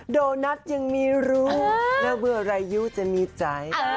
โดนัทยังมีรู้แล้วเวลายุจะมีใจ